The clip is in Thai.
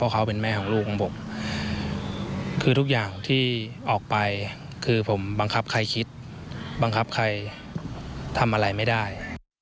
คือทุกอย่างที่ออกไปคือผมบังคับใครคิดบังคับใครทำอะไรไม่ได้